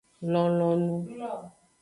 Lonlonu.